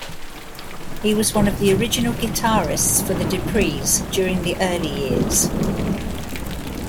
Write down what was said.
He was one of the original guitarists for the Duprees during the early years.